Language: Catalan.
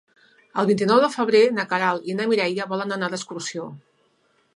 El vint-i-nou de febrer na Queralt i na Mireia volen anar d'excursió.